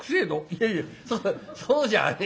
「いやいやそうじゃねえんすよ。